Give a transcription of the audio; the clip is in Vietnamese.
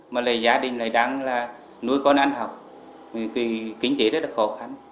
mà lại gia đình lại đang nuôi con ăn học kinh tế rất là khó khăn